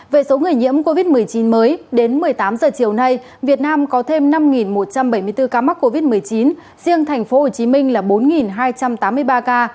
về số người nhiễm covid một mươi chín mới đến một mươi tám h chiều nay việt nam có thêm năm một trăm bảy mươi bốn ca mắc covid một mươi chín riêng tp hcm là bốn hai trăm tám mươi ba ca